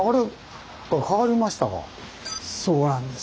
そうなんです。